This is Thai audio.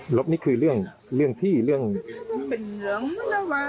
หลบนี้คือเรื่องเรื่องที่เรื่องเป็นเรื่องไม่ได้ว่า